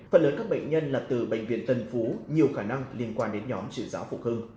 phần lớn các bệnh nhân là từ bệnh viện tân phú nhiều khả năng liên quan đến nhóm chuyển giáo phục hư